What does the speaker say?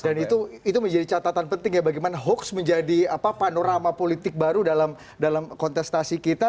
dan itu menjadi catatan penting ya bagaimana hoax menjadi panorama politik baru dalam kontestasi kita